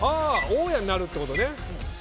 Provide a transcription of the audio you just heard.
大家になるってことね。